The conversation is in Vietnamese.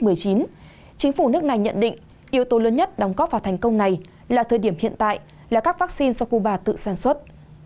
bộ y tế này nhận định yếu tố lớn nhất đóng góp vào thành công này là thời điểm hiện tại là các vaccine do cuba tự sản xuất